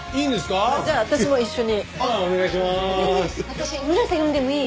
私村瀬呼んでもいい？